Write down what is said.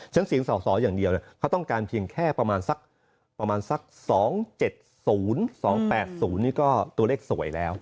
ฉะนั้นเสียงสออย่างเดียวเขาต้องการเพียงแค่ประมาณสัก๒๗๐๒๘๐นี่ก็ตัวเลขสวยแล้ว